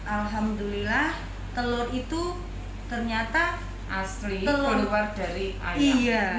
alhamdulillah telur itu ternyata asli keluar dari iya